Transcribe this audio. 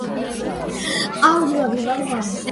როგორც ცნობილია, სამცხე იწყებოდა ტაშისკარიდან.